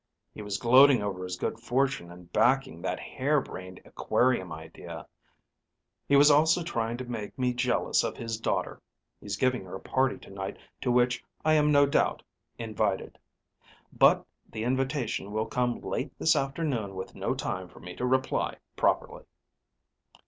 "He was gloating over his good fortune in backing that hairbrained aquarium idea. He was also trying to make me jealous of his daughter. He's giving her a party tonight to which I am no doubt invited; but the invitation will come late this afternoon with no time for me to reply properly."